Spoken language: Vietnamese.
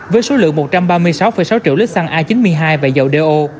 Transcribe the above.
với số lượng một trăm ba mươi sáu sáu triệu lít xăng a chín mươi hai và dầu do